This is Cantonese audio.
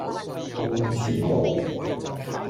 公主道